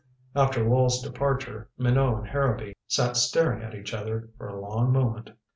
After Wall's departure, Minot and Harrowby sat staring at each other for a long moment.